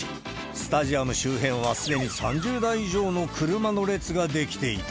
スタジアム周辺はすでに３０台以上の車の列が出来ていた。